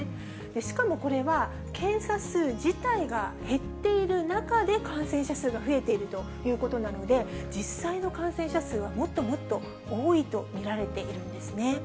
しかもこれは、検査数自体が減っている中で感染者数が増えているということなので、実際の感染者数はもっともっと多いと見られているんですね。